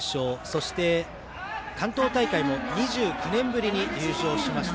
そして、関東大会も２９年ぶりに優勝しました。